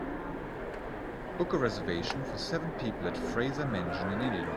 Book a reservation for seven people at Fraser Mansion in Illinois